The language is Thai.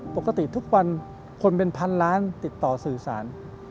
ปกติทุกวันคนเป็นพันล้านติดต่อสื่อสาร